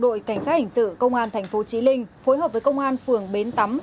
đội cảnh sát hình sự công an tp chí linh phối hợp với công an phường bến tắm